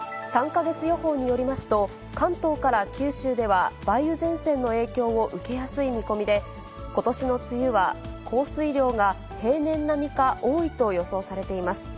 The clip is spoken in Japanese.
３か月予報によりますと、関東から九州では、梅雨前線の影響を受けやすい見込みで、ことしの梅雨は降水量が平年並みか多いと予想されています。